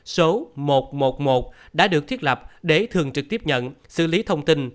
số một trăm một mươi một đã được thiết lập để thường trực tiếp nhận xử lý thông tin